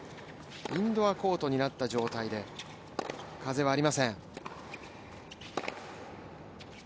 インドアコートになった状態で、風はありません。